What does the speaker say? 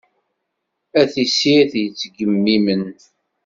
A tissirt yettgemimen.